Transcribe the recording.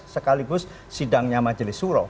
sekaligus sidangnya majelis suroh